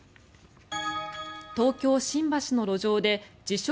東京・新橋の路上で自称